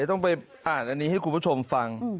ต้องไปอ่านอันนี้ให้คุณผู้ชมฟัง